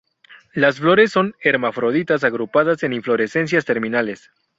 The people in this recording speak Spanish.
Las flores son hermafroditas agrupadas en inflorescencias terminales.